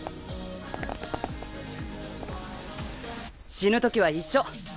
「死ぬ時は一緒」